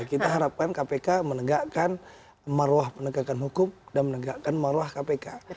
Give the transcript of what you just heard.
kita harapkan kpk menegakkan marwah penegakan hukum dan menegakkan marwah kpk